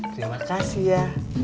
terima kasih ya